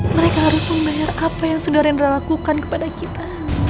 mereka harus membayar apa yang sudarendra lakukan kepada kita